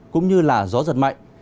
cũng như là gió giật mạnh